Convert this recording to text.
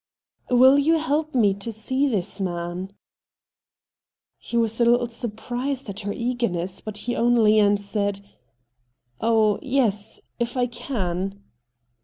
' Will you help me to see this man ?' He was a httle surprised at her eagerness, but he only answered, ' Oh yes — if I can.'